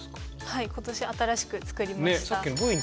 はい今年新しく作りました。